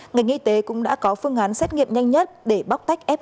ngành y tế cũng đã có phương án xét nghiệm nhanh nhất để bóc tách f một